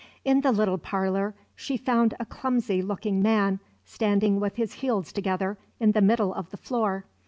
In the little parlour she found a clumsy looking man standing with his heels together in the middle of the floor.